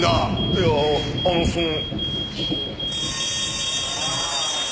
いやあのその。